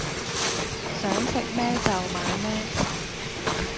想食咩就買咩